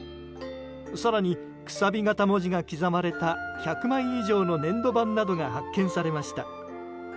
更に、くさび形文字が刻まれた１００枚以上の粘土板などが発見されました。